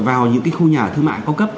vào những khu nhà thương mại công cấp